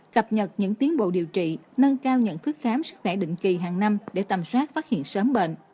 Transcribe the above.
cập nhật những tiến bộ điều trị nâng cao nhận thức khám sức khỏe định kỳ hàng năm để tầm soát phát hiện sớm bệnh